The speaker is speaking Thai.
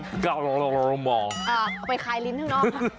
เพ็ดต้มก๋อง